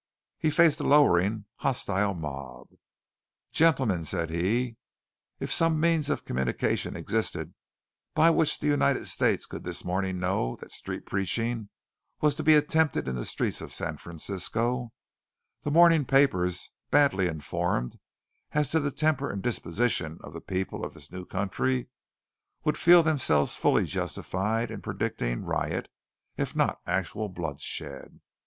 He faced a lowering, hostile mob. "Gentlemen," said he, "if some means of communication existed by which the United States could this morning know that street preaching was to be attempted in the streets of San Francisco, the morning papers, badly informed as to the temper and disposition of the people of this new country, would feel themselves fully justified in predicting riot, if not actual bloodshed.